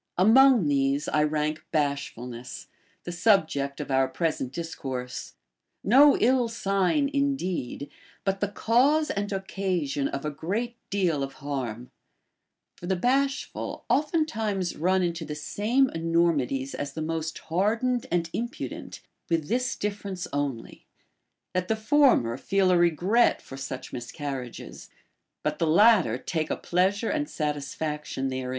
Among these I rank bashfulness, the subject of our present dis course ; no ill sign indeed, but the cause and occasion of a great deal of harm. For the bashful oftentimes run into the same enormities as the most hardened and impudent, with this difference only, that the former feel a regret for such miscarriages, but the latter take a pleasure and satis faction therem.